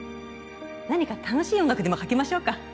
何か楽しい音楽でもかけましょうか？